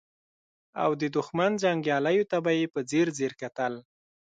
او د دښمن جنګياليو ته به يې په ځير ځير کتل.